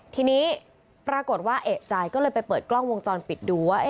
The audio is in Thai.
ทีนี้ปรากฏว่าเอกใจก็เลยไปเปิดกล้องวงจรปิดดูว่า